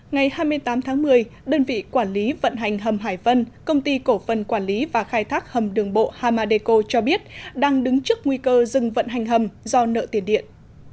ngày hai mươi tám tháng một mươi đơn vị quản lý vận hành hầm hải vân công ty cổ phần quản lý và khai thác hầm đường bộ hamadeco cho biết đang đứng trước nguy cơ dừng vận hành hầm do nợ tiền điện